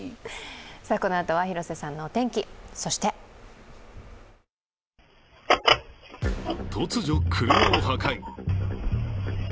このあとは広瀬さんのお天気そして突如、車を破壊。